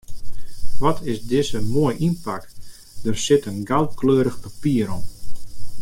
Wat is dizze moai ynpakt, der sit in goudkleurich papier om.